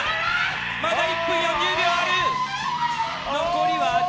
まだ１分４０秒ある！